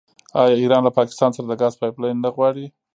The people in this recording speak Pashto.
آیا ایران له پاکستان سره د ګاز پایپ لاین نه غواړي؟